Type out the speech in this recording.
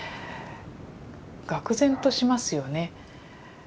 がく然としますよね。